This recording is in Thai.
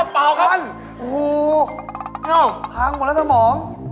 ทางหมดแล้วทางหมอง